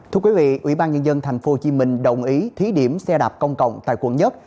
thưa quý vị ủy ban nhân dân tp hcm đồng ý thí điểm xe đạp công cộng tại quận một